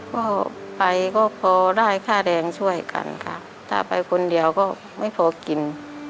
ก็ไปก็พอได้ค่าแรงช่วยกันค่ะถ้าไปคนเดียวก็ไม่พอกิน